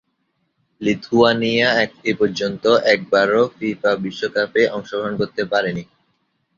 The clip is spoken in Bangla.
লিথুয়ানিয়া এপর্যন্ত একবারও ফিফা বিশ্বকাপে অংশগ্রহণ করতে পারেনি।